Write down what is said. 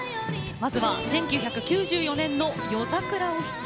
まずは１９９４年の「夜桜お七」。